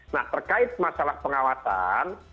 nah terkait masalah pengawasan